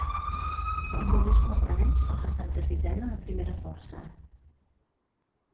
en només quatre anys ha passat de sisena a primera força